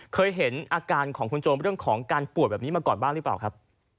เคยเห็นอาการของคุณโจมเรื่องของการป่วยแบบนี้มาก่อนบ้างหรือเปล่าครับ